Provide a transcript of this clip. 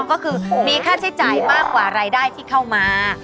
ก็คือมีค่าใช้จ่ายมากกว่ารายได้ที่เข้ามา